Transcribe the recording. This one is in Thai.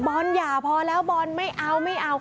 บอลอย่าพอแล้วบอลไม่เอา